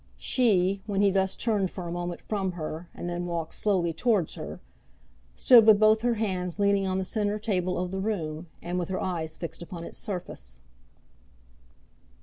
She, when he thus turned for a moment from her, and then walked slowly towards her, stood with both her hands leaning on the centre table of the room, and with her eyes fixed upon its surface.